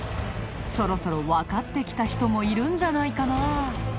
そろそろわかってきた人もいるんじゃないかな？